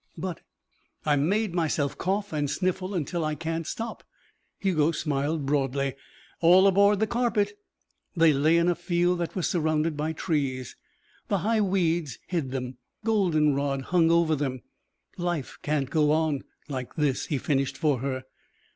"But " "I've made myself cough and sniffle until I can't stop." Hugo smiled broadly. "All aboard the carpet...." They lay in a field that was surrounded by trees. The high weeds hid them. Goldenrod hung over them. "Life can't go on " "Like this," he finished for her.